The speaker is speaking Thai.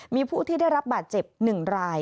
มีผู้ที่ได้รับบาดเจ็บ๑ราย